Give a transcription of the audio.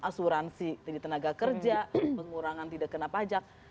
asuransi tenaga kerja pengurangan tidak kena pajak